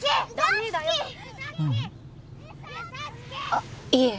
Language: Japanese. あっいえ。